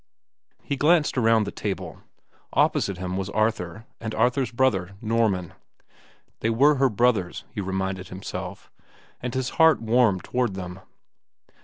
He glanced around the table. Opposite him was Arthur, and Arthur's brother, Norman. They were her brothers, he reminded himself, and his heart warmed toward them.